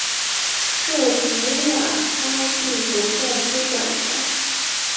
受古瓦哈蒂总教区管辖。